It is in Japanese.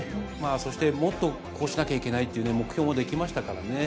そして、もっとこうしなきゃいけないというね、目標もできましたからね。